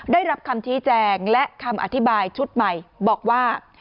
ได้รับคำชี้แจงและคำอธิบายชุดใหม่บอกว่า